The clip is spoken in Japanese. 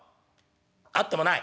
「あってもない」。